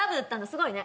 すごいね。